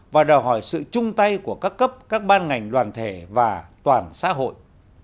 và đòi hỏi sự chung tay của các cấp các ban ngành đoàn thể và toàn xã hội